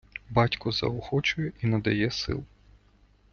Батько заохочує і надає сил.